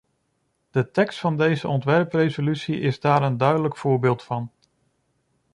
De tekst van deze ontwerpresolutie is daar een duidelijk voorbeeld van.